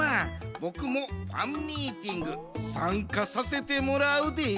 ボクもファンミーティングさんかさせてもらうで。